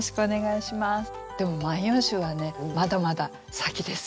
でも「万葉集」はねまだまだ先ですよ。